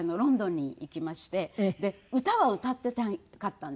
で歌は歌っていたかったんですね。